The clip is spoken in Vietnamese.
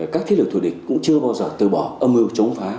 các thế lực thù địch cũng chưa bao giờ từ bỏ âm mưu chống phá